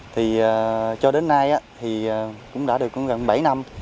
thì cho đến nay thì cũng đã được gần bảy năm